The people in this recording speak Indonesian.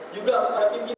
juga kepada pimpinan